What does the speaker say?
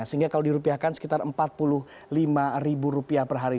sehingga kalau dirupiahkan sekitar empat puluh lima ribu rupiah per hari